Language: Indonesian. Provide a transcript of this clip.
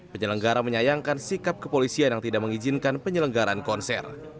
penyelenggara menyayangkan sikap kepolisian yang tidak mengizinkan penyelenggaran konser